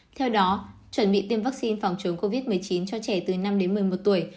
theo đó chuẩn bị tiêm vaccine phòng chống covid một mươi chín cho trẻ từ năm đến một mươi một tuổi